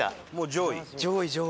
上位上位。